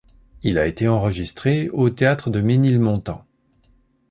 Il a été enregistré au Théâtre de Ménilmontant.